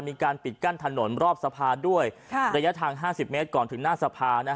มีการปิดกั้นถนนรอบสะพานด้วยระยะทาง๕๐เมตรก่อนถึงหน้าสภา